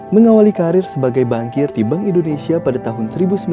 mengawali karir sebagai bankir di bank indonesia pada tahun seribu sembilan ratus sembilan puluh